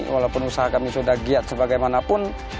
walaupun usaha kami sudah giat sebagaimanapun